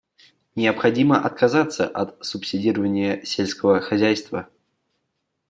Необходимо отказаться от субсидирования сельского хозяйства.